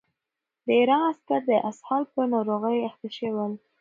د ایران عسکر د اسهال په ناروغۍ اخته شول.